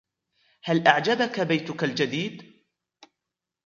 هل أعجبك بيتك الجديد؟